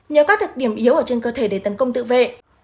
nhớ các được điểm yếu ở trên cơ thể để tấn công tự vệ